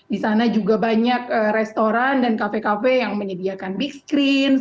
di sana juga banyak restoran dan kafe kafe yang menyediakan big screen